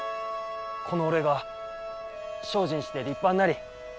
この俺が精進して立派んなり。